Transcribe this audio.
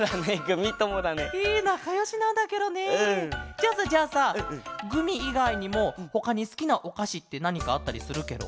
じゃあさじゃあさグミいがいにもほかにすきなおかしってなにかあったりするケロ？